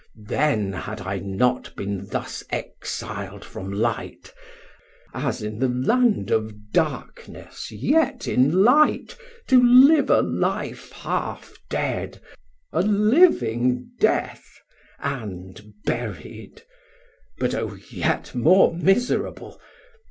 Then had I not been thus exil'd from light; As in the land of darkness yet in light, To live a life half dead, a living death, 100 And buried; but O yet more miserable!